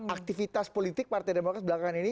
aktivitas politik partai demokrat belakangan ini